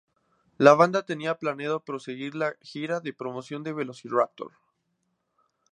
La banda tenía planeado proseguir la gira de promoción de Velociraptor!